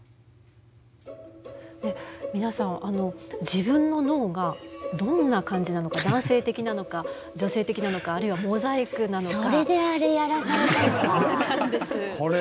皆さん自分の脳がどんな感じなのか男性的なのか女性的なのかあるいはモザイクなのか。